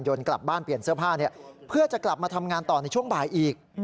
กลับบ้านเปลี่ยนเสื้อผ้าเพื่อจะกลับมาทำงานต่อในช่วงบ่ายอีก